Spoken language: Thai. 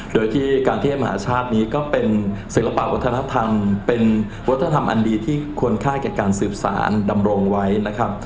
โดยที่การเทศมหาชาตินี้ก็เป็นศิลปะวัฒนธรรมเป็นวัฒนธรรมอันดีที่ควรค่าแก่การสืบสารดำรงไว้นะครับ